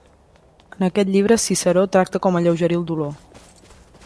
En aquest llibre Ciceró tracta com alleugerir dolor.